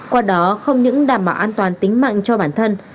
qua đó không những đảm bảo an toàn tính mạng cho bản thân